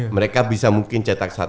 mereka bisa mungkin cetak satu